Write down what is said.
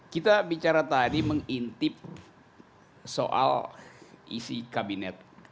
kita bicara tadi mengintip soal isi kabinet